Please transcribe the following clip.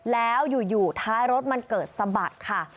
แล้วอยู่ท้ายรถมันเกิดสะบัดค่ะ